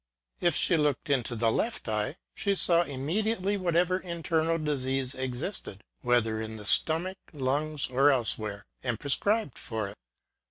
If she looked into the left eye, she saw im mediately whatever internal disease existed ŌĆö whether 74 THE SEERESS OF PREVORST. in the stomach, lungs, or elsewhere ŌĆö and prescribed for it.